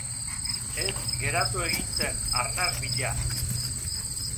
ED geratu egin zen, arnas bila.